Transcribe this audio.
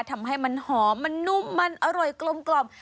ทำให้มันหอมมันนุ่มมันอร่อยกลม